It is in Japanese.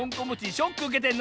ショックうけてんの？